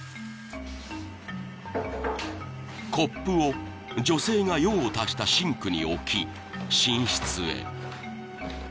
［コップを女性が用を足したシンクに置き寝室へ］